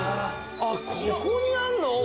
あっここにあんの？